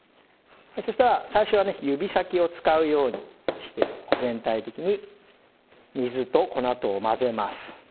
そしたら最初はね指先を使うようにして全体的に水と粉とを混ぜます。